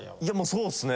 そうっすね。